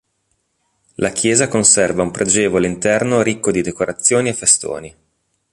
La chiesa conserva un pregevole interno ricco di decorazioni e festoni.